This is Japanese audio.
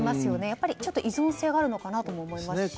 やっぱり、依存性があるのかなとも思いますし。